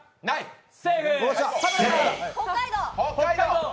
セーフ。